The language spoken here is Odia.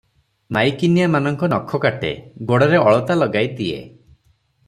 ମାଇକିନିଆମାନଙ୍କ ନଖ କାଟେ, ଗୋଡରେ ଅଳତା ଲଗାଇ ଦିଏ ।